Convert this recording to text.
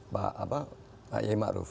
pak yai maruf